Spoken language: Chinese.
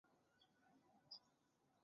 冰河中的冰混合有尘土和岩石。